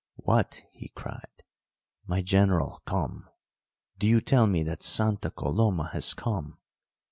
"What," he cried, "my General come! Do you tell me that Santa Coloma has come?